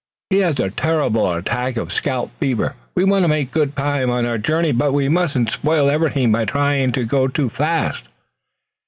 He has a terrible attack of the scalp fever. We want to make good time on our journey, but we mustn't spoil everything by trying to go too fast."